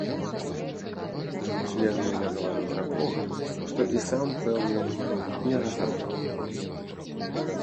Член ёй нагаварыў такога, што і сам, пэўне, не разабраў.